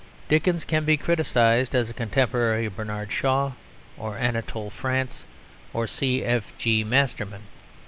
Dickens can be criticised as a contemporary of Bernard Shaw or Anatole France or C. F. G. Masterman.